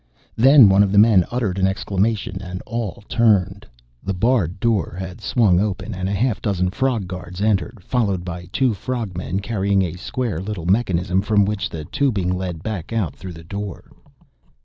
Then one of the men uttered an exclamation, and all turned. The barred door had swung open and a half dozen frog guards entered, followed by two frog men carrying a square little mechanism from which tubing led back out through the door.